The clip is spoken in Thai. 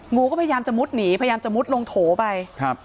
งูก็พยายามจะมุดหนีพยายามจะมุดลงโถไปครับ